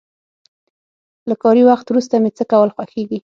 له کاري وخت وروسته مې څه کول خوښيږي؟